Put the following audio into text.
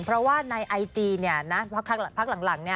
เพราะว่าในไอจีพักหลัง